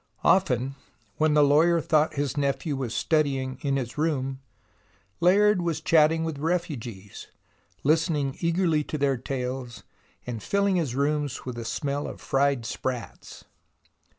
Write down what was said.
Often when the lawyer thought his nephew was studying in his room, Layard was chat ting with refugees, listening eagerly to their tales, and filling his rooms with the smell of fried sprats.